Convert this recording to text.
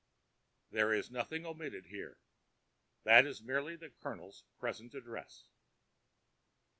There is nothing omitted here; that is merely the Colonel's present address.